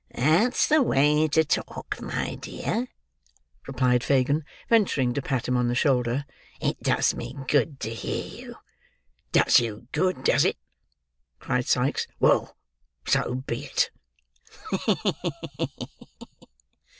"That's the way to talk, my dear," replied Fagin, venturing to pat him on the shoulder. "It does me good to hear you." "Does you good, does it!" cried Sikes. "Well, so be it."